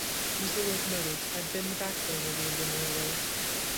Diesel locomotives had been the backbone of the Indian Railways.